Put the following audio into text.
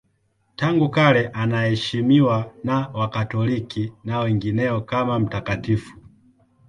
Tangu kale anaheshimiwa na Wakatoliki na wengineo kama mtakatifu.